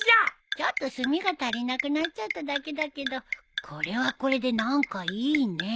ちょっと墨が足りなくなっちゃっただけだけどこれはこれで何かいいねえ。